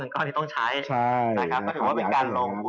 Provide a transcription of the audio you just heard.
การลงหุ้นระยะยาวไปนะครับ